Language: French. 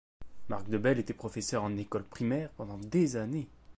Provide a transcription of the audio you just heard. Marc de Bel était professeur en école primaire pendant des années.